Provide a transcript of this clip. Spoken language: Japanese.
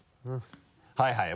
はいはい